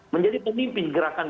menjadi pemimpin gerakan